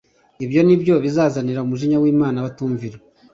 ibyo ni byo bizanira umujinya w’Imana abatumvira.